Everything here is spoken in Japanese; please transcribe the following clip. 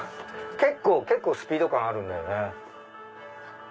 結構スピード感あるんだよね。